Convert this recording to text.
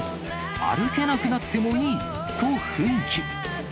歩けなくなってもいいと奮起。